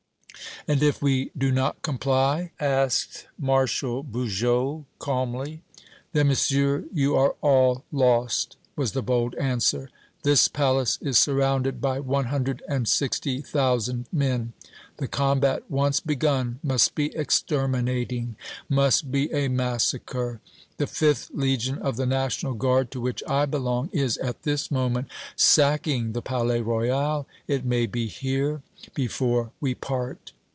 "And if we do not comply?" asked Marshal Bugeaud, calmly. "Then, Monsieur, you all are lost!" was the bold answer. "This palace is surrounded by one hundred and sixty thousand men. The combat once begun must be exterminating must be a massacre! The 5th Legion of the National Guard, to which I belong, is, at this moment, sacking the Palais Royal. It may be here before we part!"